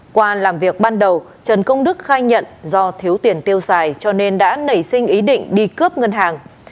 qua làm việc ban đầu trần công đức khai nhận do thiếu tiền tiêu xài cho nên đã nảy sinh ý định đi cướp ngân hàng